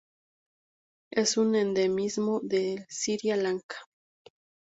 Es un endemismo de Sri Lanka.